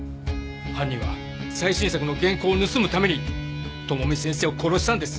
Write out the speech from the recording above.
犯人は最新作の原稿を盗むために智美先生を殺したんです。